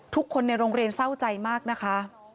ทุกคนในโรงเรียนเศร้าใจมากนะคะ